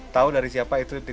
tahu dari siapa itu